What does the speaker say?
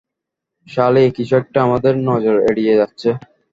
সালি, কিছু একটা আমাদের নজর এড়িয়ে যাচ্ছে।